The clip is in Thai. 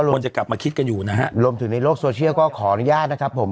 คนจะกลับมาคิดกันอยู่นะฮะรวมถึงในโลกโซเชียลก็ขออนุญาตนะครับผม